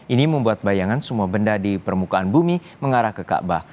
ini membuat bayangan semua benda di permukaan bumi mengarah ke kaabah